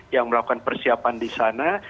yang melakukan persiapan di sana